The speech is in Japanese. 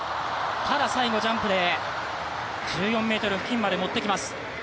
ただ最後ジャンプで１４ｍ付近までもっていきます。